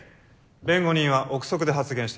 弁護人は憶測で発言しています。